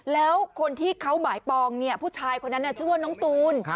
แล้วคนที่เขาหมายปองผู้ชายคนนั้นชื่อว่าน้องตูน